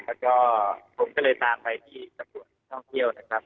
แล้วก็ผมก็เลยตามไปที่ตำรวจท่องเที่ยวนะครับ